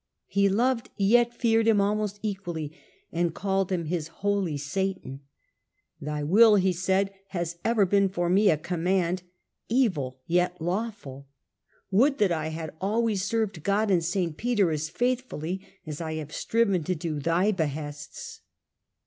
He loved yet feared him almost equally, and grimly called him his * holy Satan.' * Thy will,' he said, *has ever been for me a command — evil yet lawful. Would that I had always served God and St. Peter as faithfully as I have striven to do thy behests.'